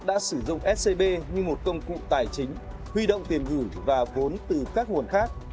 đã sử dụng scb như một công cụ tài chính huy động tiền gửi và vốn từ các nguồn khác